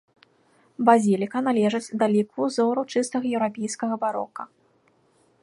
Базіліка належыць да ліку ўзораў чыстага еўрапейскага барока.